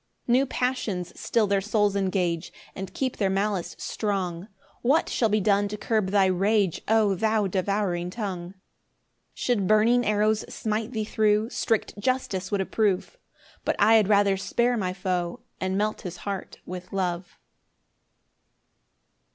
6 New passions still their souls engage, And keep their malice strong: What shall be done to curb thy rage, O thou devouring tongue! 6 Should burning arrows smite thee thro', Strict justice would approve; But I had rather spare my foe, And melt his heart with love.